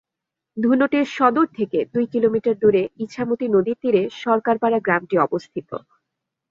ধুনটের সদর থেকে দুই কিলোমিটার দূরে ইছামতী নদীর তীরে সরকারপাড়া গ্রামটি অবস্থিত।